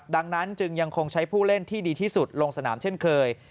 ดังนั้นจึงยังคงใช้ผู้เล่นที่ดีที่สุดลงสนามเช่นเคย